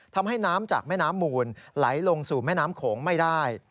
ทำให้น้ำจากแม่น้ำมูลไหลลงสู่แม่น้ำโขงไม่ได้